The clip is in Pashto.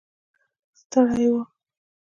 ستړي و.